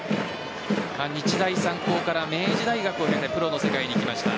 日大三高から明治大学を経てプロの世界に行きました。